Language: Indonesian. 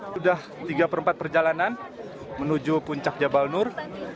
sudah tiga per empat perjalanan menuju puncak jabal nur